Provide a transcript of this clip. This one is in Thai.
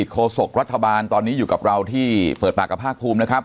โศกรัฐบาลตอนนี้อยู่กับเราที่เปิดปากกับภาคภูมินะครับ